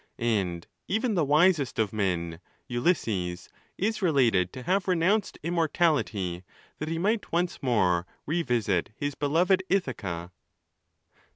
And even the wisest of men, Ulysses, is related to have renounced imap Or Many that he might once more revisit his beloved Ithaca.